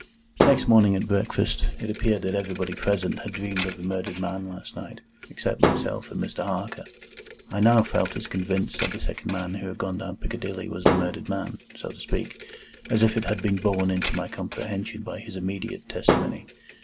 Next morning at breakfast, it appeared that everybody present had dreamed of the murdered man last night, except myself and Mr. Harker. I now felt as convinced that the second man who had gone down Piccadilly was the murdered man (so to speak), as if it had been borne into my comprehension by his immediate testimony.